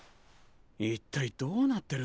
一体どうなってるんだ？